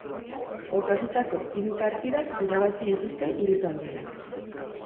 Jokatutako hiru partidak irabazi dituzte hiru taldeek.